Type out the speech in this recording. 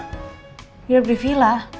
hidup di vila